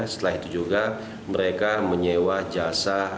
setelah itu juga mereka menyewa jasa